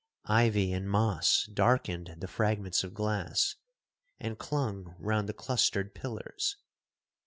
Ivy and moss darkened the fragments of glass, and clung round the clustered pillars.